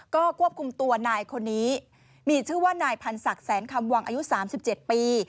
ก็ควบคุมตัวนายคนนี้มีชื่อว่านายพันศักดิ์แสนคำวังอายุ๓๗ปี